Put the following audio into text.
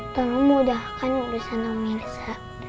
tolong mudahkan urusan om irsa